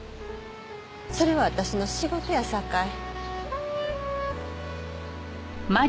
それは私の仕事やさかい。